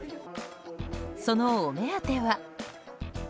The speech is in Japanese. そのお目当ては。